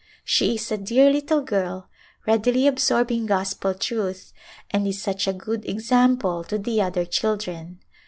She is a dear little girl, readily absorbing Gospel truth, and is such a good ex ample to the other children.